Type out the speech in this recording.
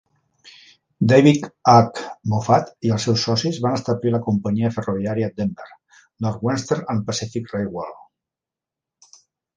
David H. Moffat i els seus socis van establir la companyia ferroviària Denver, Northwestern and Pacific Railway.